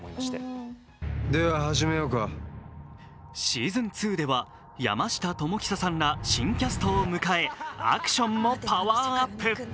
シーズン２では山下智久さんら新キャストを迎えアクションもパワーアップ。